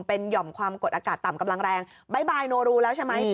เป็นหย่อมความกดอากาศต่ำกำลังแรงบ๊ายบายโนรูแล้วใช่ไหม